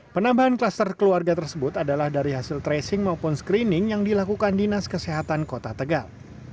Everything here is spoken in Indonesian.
penambahan kluster keluarga tersebut adalah dari hasil tracing maupun screening yang dilakukan dinas kesehatan kota tegal